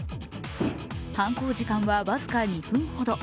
犯行時間は僅か２分ほど。